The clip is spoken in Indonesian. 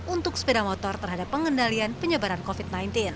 untuk sepeda motor terhadap pengendalian penyebaran covid sembilan belas